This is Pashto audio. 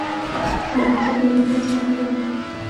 دروازه یې اوولسم سړک کې وه.